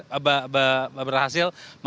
memenangkan medali perunggu